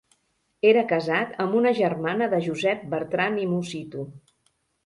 Era casat amb una germana de Josep Bertran i Musitu.